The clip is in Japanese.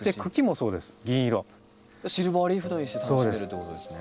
シルバーリーフのようにして楽しめるということですね。